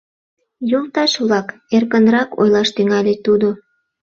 — Йолташ-влак, — эркынрак ойлаш тӱҥале тудо.